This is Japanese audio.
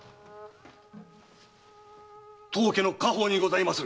当家の家宝にございます。